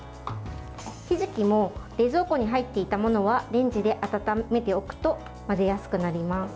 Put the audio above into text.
ひじきも冷蔵庫に入っていたものはレンジで温めておくと混ぜやすくなります。